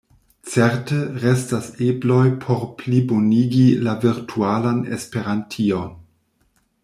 Certe restas ebloj por plibonigi la virtualan Esperantion.